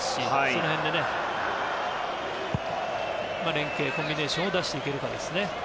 その辺で連係コンビネーションを出していけるか。